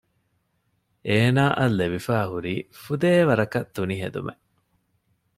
އޭނާއަށް ލެވިފައި ހުރީ ފުދޭވަރަކަށް ތުނި ހެދުމެއް